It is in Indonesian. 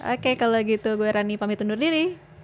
oke kalau gitu gue rani pamit undur diri